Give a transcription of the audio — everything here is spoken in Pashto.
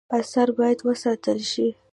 آثار باید وساتل شي